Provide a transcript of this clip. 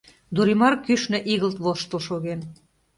Дуремар кӱшнӧ игылт воштыл шоген: